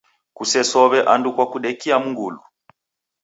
Kusesow'e and kwa kudekia mgulu.